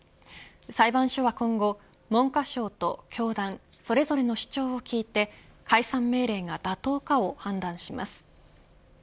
裁判所は今後文科省と教団それぞれの主張を聞いて解散命令が妥当かを判断します。